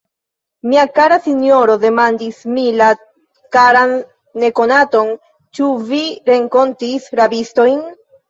Mia kara sinjoro, demandis mi la karan nekonaton, ĉu vi renkontis rabistojn?